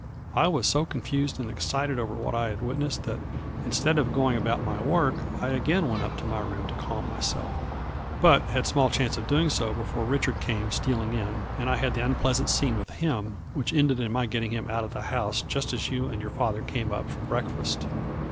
I was so confused and excited over what I had witnessed that instead of going about my work I again went up to my room to calm myself, but had small chance of doing so before Richard came stealing in, and I had the unpleasant scene with him, which ended in my getting him out of the house just as you and your father came up from breakfast.